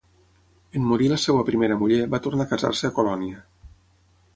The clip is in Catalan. En morir la seua primera muller va tornar a casar-se a Colònia.